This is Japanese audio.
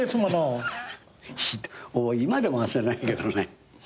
もう今でも忘れないけどね。